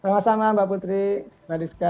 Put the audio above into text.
sama sama mbak putri mbak diska